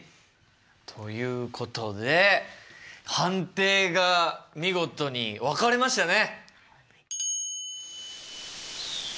ということで判定が見事に分かれましたね。